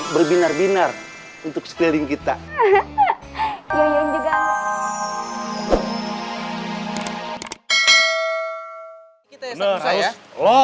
berbinar binar untuk sekeliling kita ya